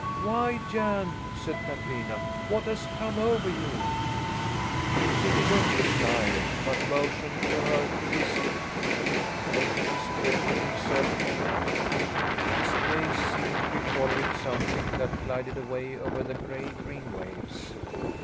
"Why, Jan!" said Katrina, "what has come over you?" He did not reply, but motioned to her to be still. Then he straightened himself a little. His gaze seemed to be following something that glided away over the gray green waves.